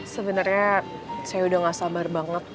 sebenarnya saya udah gak sabar banget